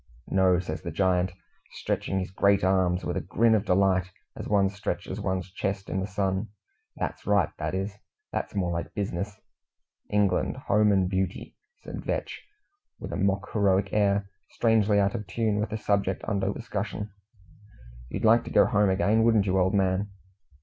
"No," says the giant, stretching his great arms with a grin of delight, as one stretches one's chest in the sun, "that's right, that is. That's more like bizness." "England, home and beauty!" said Vetch, with a mock heroic air, strangely out of tune with the subject under discussion. "You'd like to go home again, wouldn't you, old man?"